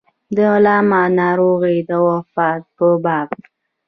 د علامه د ناروغۍ او وفات په باب.